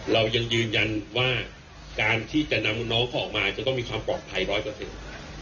เรายังยืนยันว่าการที่จะนำน้องเขาออกมาจะต้องมีความปลอดภัยร้อยเปอร์เซ็นต์